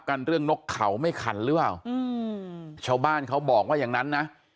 กันเรื่องนกเขาไม่ขันหรือเปล่าอืมชาวบ้านเขาบอกว่าอย่างนั้นนะ